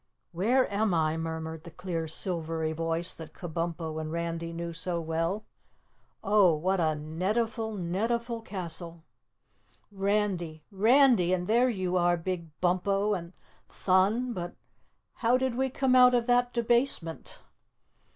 "Where am I?" murmured the clear silvery voice that Kabumpo and Randy knew so well. "Oh, what a netiful, netiful castle. Randy! Randy! And there you are, Big Bumpo, and Thun! But how did we come out of that debasement?"